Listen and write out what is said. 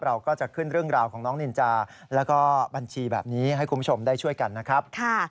เราก็จะขึ้นเรื่องราวของน้องนินจาแล้วก็บัญชีแบบนี้ให้คุณผู้ชมได้ช่วยกันนะครับ